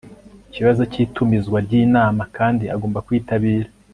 ikibazo cy itumizwa ry inama kandi agomba kwitabira